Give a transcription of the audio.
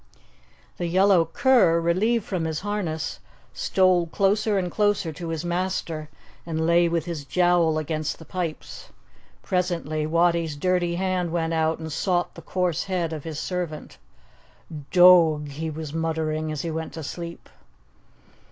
The yellow cur, relieved from his harness, stole closer and closer to his master and lay with his jowl against the pipes. Presently Wattie's dirty hand went out and sought the coarse head of his servant. "Doag," he was muttering, as he went to sleep.